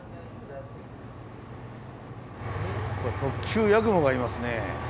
特急やくもがいますね。